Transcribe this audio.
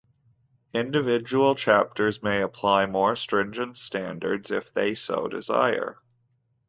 Individual chapters may apply more stringent standards if they so desire.